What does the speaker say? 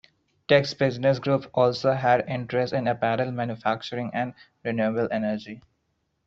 Tex's business group also has interests in apparel manufacturing and renewable energy.